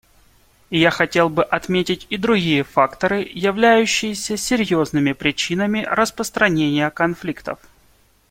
Я хотел бы отметить и другие факторы, являющиеся серьезными причинами распространения конфликтов.